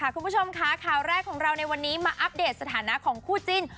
คุณผู้ชมค่ะข่าวแรกของเราในวันนี้มาอัปเดตสถานะของคู่จิ้น